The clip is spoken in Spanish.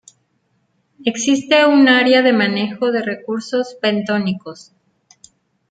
Existe un área de manejo de recursos bentónicos.